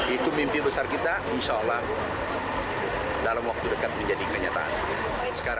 itu mimpi besar kita insya allah dalam waktu dekat menjadi kenyataan